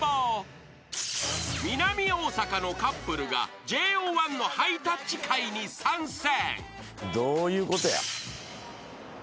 ［南大阪のカップルがＪＯ１のハイタッチ会に参戦］